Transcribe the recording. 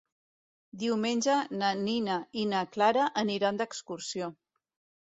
Diumenge na Nina i na Clara aniran d'excursió.